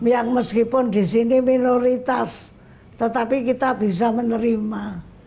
yang meskipun di sini minoritas tetapi kita bisa menerima